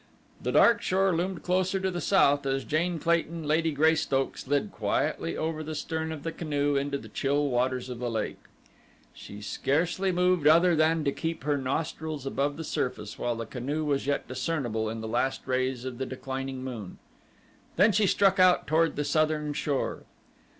The dark shore loomed closer to the south as Jane Clayton, Lady Greystoke, slid quietly over the stern of the canoe into the chill waters of the lake. She scarcely moved other than to keep her nostrils above the surface while the canoe was yet discernible in the last rays of the declining moon. Then she struck out toward the southern shore.